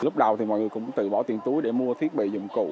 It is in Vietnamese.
lúc đầu thì mọi người cũng từ bỏ tiền túi để mua thiết bị dụng cụ